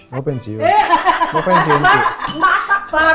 masak bareng mas